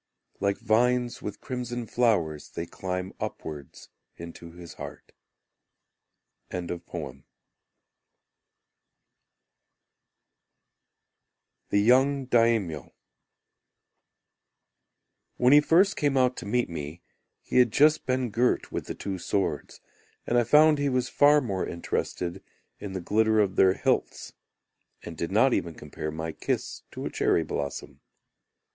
Like vines with crimson flowers They climb Upwards Into his heart. The Young Daimyo When he first came out to meet me, He had just been girt with the two swords; And I found he was far more interested in the glitter of their hilts, And did not even compare my kiss to a cherry blossom.